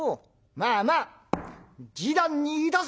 まあまあ示談にいたせ。